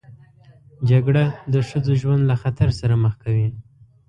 جګړه د ښځو ژوند له خطر سره مخ کوي